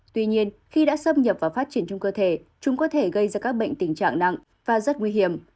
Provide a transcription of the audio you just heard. tuy nhiên khi đã xâm nhập và phát triển trong cơ thể chúng có thể gây ra các bệnh tình trạng nặng và rất nguy hiểm